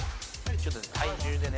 ちょっと体重でね。